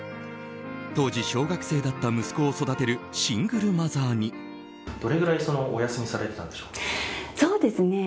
当時、小学生だった息子を育てるどれぐらいお休みされてたんでしょう。